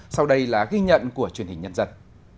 sau đây là ghi nhận của truyền hình nhân dân